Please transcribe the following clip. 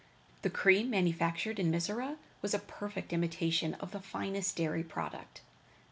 The cream manufactured in Mizora was a perfect imitation of the finest dairy product.